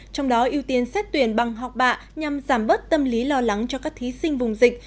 trong đó ưu tiên xét tuyển bằng học bạ nhằm giảm bớt tâm lý lo lắng cho các thí sinh vùng dịch